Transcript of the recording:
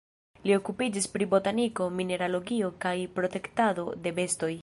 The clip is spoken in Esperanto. Li okupiĝis pri botaniko, mineralogio kaj protektado de bestoj.